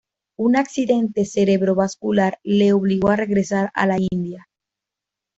Una Accidente cerebrovascular le obligó a regresar a la India.